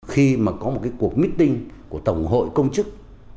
khi mà có một cái cuộc meeting của tổng hội công chức